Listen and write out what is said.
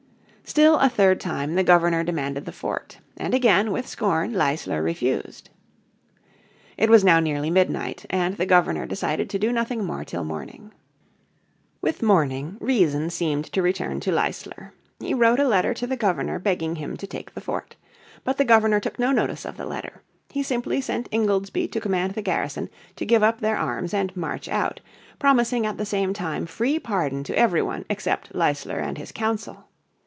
Still a third time the Governor demanded the fort. And again with scorn Leisler refused. It was now nearly midnight, and the Governor decided to do nothing more till morning. With morning reason seemed to return to Leisler. He wrote a letter to the Governor begging him to take the fort. But the Governor took no notice of the letter. He simply sent Ingoldsby to command the garrison to give up their arms and march out, promising at the same time free pardon to every one except Leisler and his Council.